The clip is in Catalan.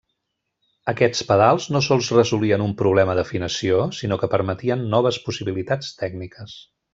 Aquests pedals no sols resolien un problema d'afinació, sinó que permetien noves possibilitats tècniques.